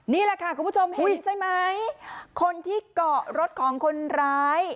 นี่แหละค่ะคุณผู้ชมเห็นใช่ไหมคนที่เกาะรถของคนร้าย